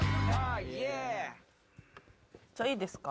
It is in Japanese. じゃあいいですか？